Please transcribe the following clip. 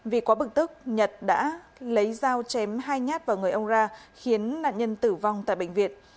vì quá bực tức nhật đã lấy dao chém hai nhát vào người ông ra khiến nạn nhân tử vong tại bệnh viện